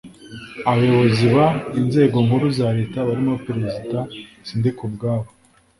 abayobozi b inzego nkuru za leta barimo perezida sindikubwabo